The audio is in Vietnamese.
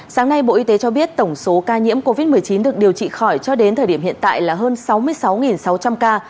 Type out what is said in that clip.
sáng nay bộ y tế cho biết tổng số ca nhiễm covid một mươi chín được điều trị khỏi cho đến thời điểm hiện tại là hơn sáu mươi sáu sáu trăm linh ca